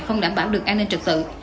không đảm bảo được an ninh trật tự